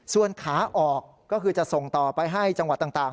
ส่วนขาออกก็คือจะส่งต่อไปให้จังหวัดต่าง